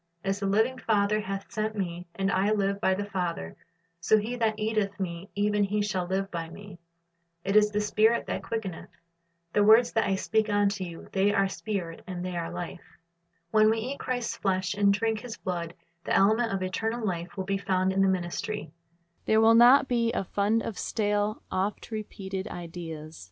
... As the living Father hath sent Me, and I live by the Father; so he that eateth Me, even he shall live by Me. ... It is the Spirit that quickeneth; ... the words that I speak unto you, they are Spirit, and they are life. "^ When we eat Christ's flesh and drink His blood, the element of eternal life will be found in the ministry.